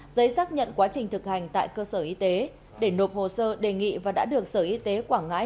giấy xác nhận quá trình thực hành tại cơ sở y tế để nộp hồ sơ đề nghị và đã được sở y tế quảng ngãi